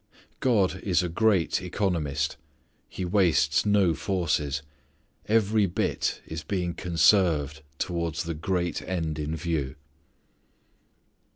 God is a great economist. He wastes no forces. Every bit is being conserved towards the great end in view.